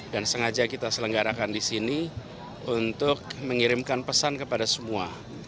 dan sengaja kita selenggarakan di sini untuk mengirimkan pesan kepada semua